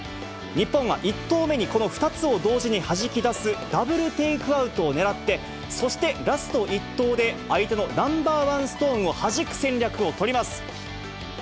日本は１投目に、この２つを同時にはじき出すダブルテイクアウトを狙って、そして、ラスト１投で相手のナンバーワンストーンをはじく戦略を取ります。